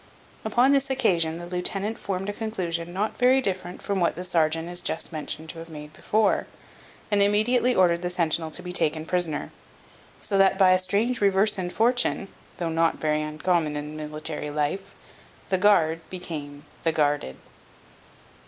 Upon this occasion the lieutenant formed a conclusion not very different from what the serjeant is just mentioned to have made before, and immediately ordered the centinel to be taken prisoner. So that, by a strange reverse of fortune (though not very uncommon in a military life), the guard became the guarded.